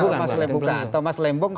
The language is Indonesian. tapi sebenarnya thomas lembong